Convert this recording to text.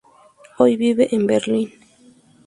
Hoy vive en Berlín.